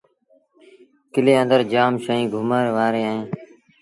ڪلي اندر جآم شئيٚن گھمڻ وآريٚݩ اهيݩ۔